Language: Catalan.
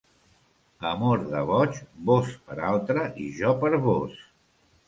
Amor de boig, vós per altre i jo per vós.